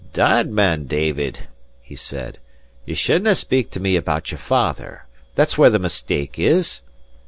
"Dod man, David," he said, "ye should nae speak to me about your father. That's where the mistake is."